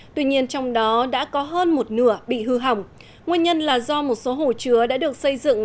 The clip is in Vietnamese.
tuy nhiên trong đó đã có hơn một nửa bị hư hỏng nguyên nhân là do một số hồ chứa đã được xây dựng